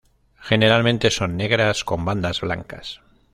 Generalmente son negras con bandas blancas.